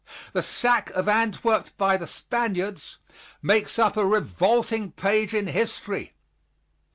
The sack of Antwerp by the Spaniards makes up a revolting page in history.